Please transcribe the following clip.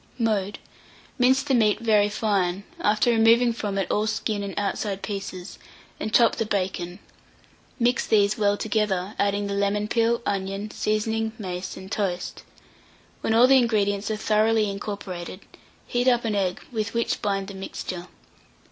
Mode. Mince the meat very fine, after removing from it all skin and outside pieces, and chop the bacon; mix these well together, adding the lemon peel, onion, seasoning, mace, and toast. When all the ingredients are thoroughly incorporated, heat up an egg, with which bind the mixture.